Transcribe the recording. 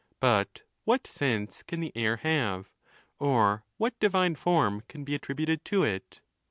But what sense can the aiv have? or what divine form can be attributed to it?